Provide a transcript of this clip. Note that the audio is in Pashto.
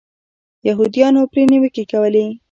یهودیانو پرې نیوکې کولې.